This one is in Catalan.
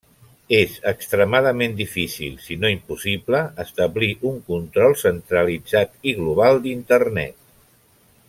És extremadament difícil, si no impossible, establir un control centralitzat i global d'Internet.